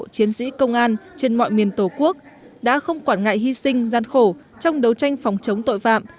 chiến sĩ công an trên mọi miền tổ quốc đã không quản ngại hy sinh gian khổ trong đấu tranh phòng chống tội phạm